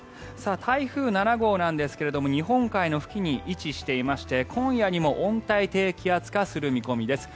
台風７号なんですが日本海の付近に位置していまして今夜にも温帯低気圧化する見込みです。